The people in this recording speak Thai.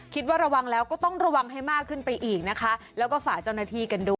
คิดว่าระวังแล้วก็ต้องระวังให้มากขึ้นไปอีกนะคะแล้วก็ฝากเจ้าหน้าที่กันด้วย